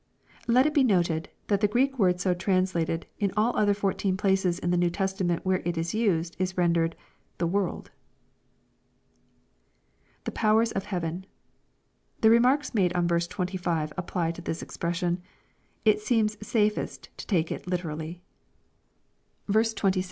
] Let it be noted, that the Greek word so trans lated, in all the other fourteen places in the New Testament where it is used, is rendered, " the world." [The powers of heaven.] The remarks made on verse 25 apply to this expression. It seems safest to take it literally. 380 EXPOSITORY THOUGHTS.